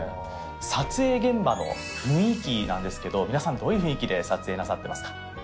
撮影現場の雰囲気なんですけど皆さんどういう雰囲気で撮影なさってますか？